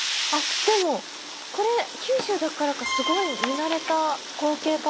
でもこれ九州だからかすごい見慣れた光景かもしれないです。